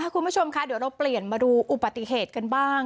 คุณผู้ชมค่ะเดี๋ยวเราเปลี่ยนมาดูอุบัติเหตุกันบ้าง